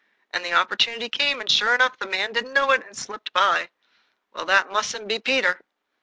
And the opportunity came, and, sure enough, the man didn't know it, and it slipped by. Well, that mustn't be Peter."